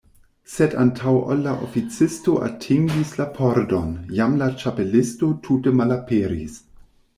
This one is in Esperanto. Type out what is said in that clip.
Sed antaŭ ol la oficisto atingis la pordon, jam la Ĉapelisto tute malaperis.